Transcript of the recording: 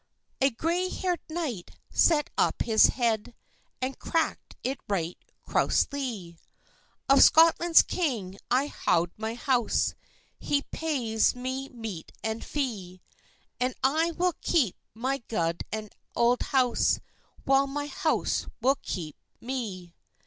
A gray hair'd knight set up his head, And crackit right crousely: "Of Scotland's king I haud my house; He pays me meat and fee; And I will keep my gude auld house, While my house will keep me."